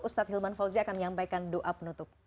ustadz hilman fauzi akan menyampaikan doa penutup